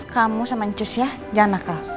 kamu sama njus ya jangan nakal